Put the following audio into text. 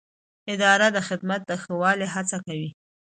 اداره د خدمت د ښه والي هڅه کوي.